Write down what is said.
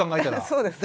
そうです。